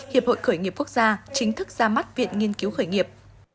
hiệp hội khởi nghiệp quốc gia chính thức ra mắt viện nghiên cứu khởi nghiệp